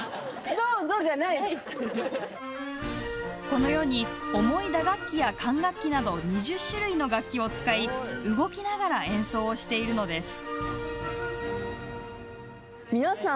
このように重い打楽器や管楽器など２０種類の楽器を使い動きながら演奏をしているのです。